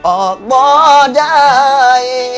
ออกบ่อได้